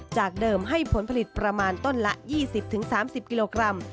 จากเดิมให้ผลผลิตประมาณต้นละ๒๐๓๐กิโลกรัม